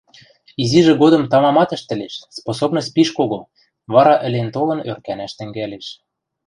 Изижӹ годым тамамат ӹштӹлеш, способность пиш кого, вара ӹлен-толын ӧркӓнӓш тӹнгӓлеш: